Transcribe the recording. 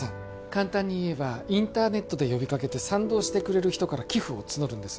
簡単に言えばインターネットで呼びかけて賛同してくれる人から寄付を募るんです